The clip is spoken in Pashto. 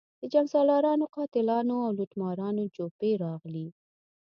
د جنګسالارانو، قاتلانو او لوټمارانو جوپې راغلي.